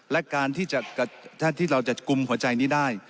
และการที่จะถ้าที่เราจะกุมหัวใจนี้ได้